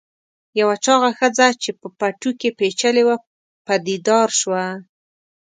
یوه چاغه ښځه چې په پټو کې پیچلې وه پدیدار شوه.